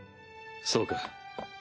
そうか。